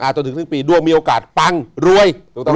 จนถึงสิ้นปีด้วงมีโอกาสปังรวย